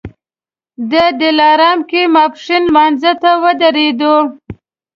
د دلارام کې ماسپښین لمانځه ته ودرېدو.